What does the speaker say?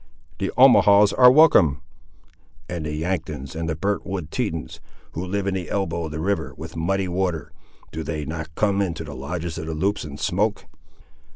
"The Omahaws are welcome." "And the Yanktons, and the burnt wood Tetons, who live in the elbow of the river, 'with muddy water,' do they not come into the lodges of the Loups and smoke?"